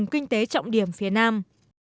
kế trọng điểm phía nam